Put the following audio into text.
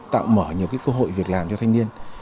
tạo mở nhiều cái cơ hội việc làm cho thanh niên